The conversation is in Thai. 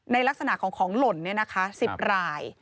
ลักษณะของของหล่น๑๐ราย